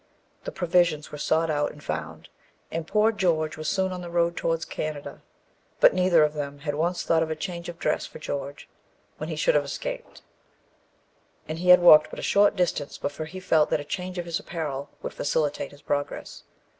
The provisions were sought out and found, and poor George was soon on the road towards Canada. But neither of them had once thought of a change of dress for George when he should have escaped, and he had walked but a short distance before he felt that a change of his apparel would facilitate his progress.